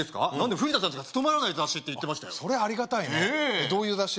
藤田さんしか務まらない雑誌って言ってましたそれありがたいねどういう雑誌？